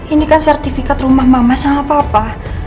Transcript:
ini kan sertifikat rumah mama sama papa